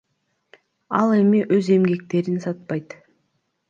Ал эми өз эмгектерин сатпайт.